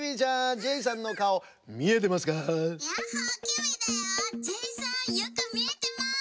ジェイさんよくみえてます！」。